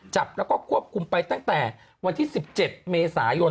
จับแล้วก็ควบคุมไปตั้งแต่วันที่๑๗เมษายน